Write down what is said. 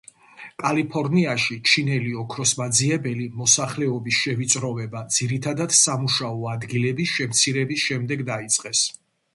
კალიფორნიაში, ჩინელი ოქროსმაძიებელი მოსახლეობის შევიწროვება, ძირითადად სამუშაო ადგილების შემცირების შემდეგ დაიწყეს.